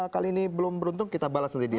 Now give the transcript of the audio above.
kali ini belum beruntung kita balas nanti di